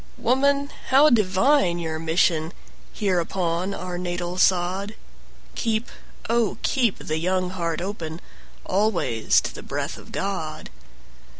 Woman, how divine your mission Here upon our natal sod! Keep, oh, keep the young heart open Always to the breath of God!